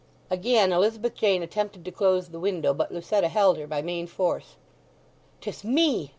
Again Elizabeth Jane attempted to close the window, but Lucetta held her by main force. "'Tis me!"